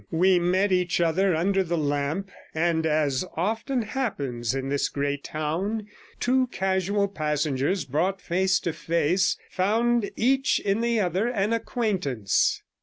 We met each other under the lamp, and, as often happens in this great town, two casual passengers brought face to face found each in the other an acquaintance.